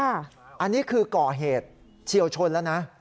อันนี้คือก่อเหตุเฉียวชนแล้วนะ